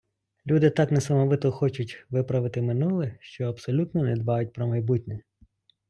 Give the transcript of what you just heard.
Люди так несамовито хочуть виправити минуле, що абсолютно не дбають про майбутнє.